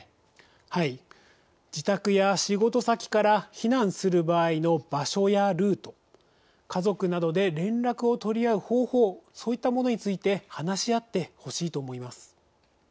自宅や仕事先から避難する場合の場所やルート家族などで連絡を取り合う方法そういったものについて話し合ってほしいと思います。